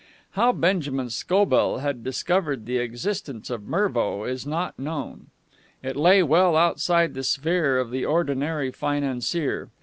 How Benjamin Scobell had discovered the existence of Mervo is not known. It lay well outside the sphere of the ordinary financier.